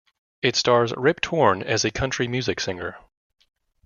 It stars Rip Torn as a country music singer.